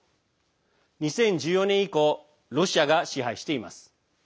２０１４年以降ロシアが支配しています。